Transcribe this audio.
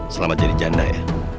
selamat jadi janda ya